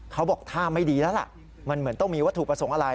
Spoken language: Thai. เขาบอกท่ามันไม่ดีมันเหมือนต้องมีวัตถุประสงค์อะไร